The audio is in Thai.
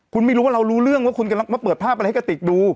คุณไม่รู้ว่าเรารู้เรื่องว่าคุณกำลังมาเปิดภาพอะไรให้กระติกดู